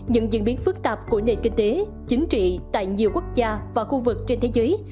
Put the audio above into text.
những diễn biến phức tạp của nền kinh tế chính trị tại nhiều quốc gia và khu vực trên thế giới